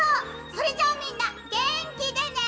それじゃみんなげんきでね！